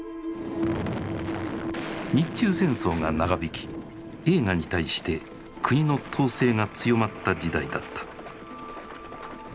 日中戦争が長引き映画に対して国の統制が強まった時代だった。